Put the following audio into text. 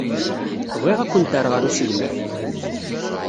Bɣiɣ ad kent-rreɣ ɣer usegnaf.